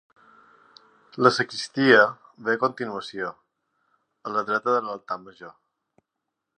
La sagristia ve a continuació, a la dreta de l'altar major.